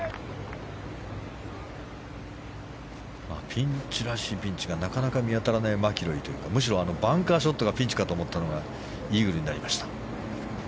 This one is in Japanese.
ピンチらしいピンチがなかなか見当たらないマキロイというかむしろバンカーショットがピンチかと思ったのがイーグルになりました。